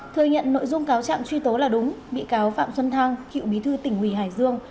thừa nhận nội dung cáo trạng truy tố là đúng bị cáo phạm xuân thăng cựu bí thư tỉnh ủy hải dương